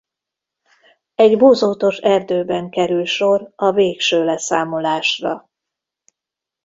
Egy bozótos erdőben kerül sor a végső leszámolásra.